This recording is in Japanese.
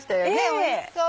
おいしそう。